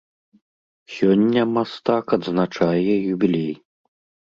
Сёння мастак адзначае юбілей.